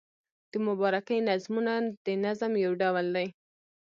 د مبارکۍ نظمونه د نظم یو ډول دﺉ.